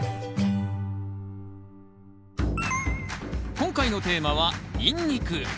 今回のテーマはニンニク。